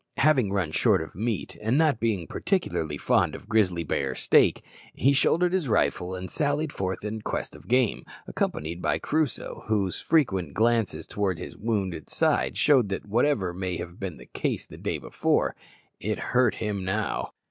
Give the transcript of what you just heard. Having run short of meat, and not being particularly fond of grizzly bear steak, he shouldered his rifle and sallied forth in quest of game, accompanied by Crusoe, whose frequent glances towards his wounded side showed that, whatever may have been the case the day before, it "hurt" him now.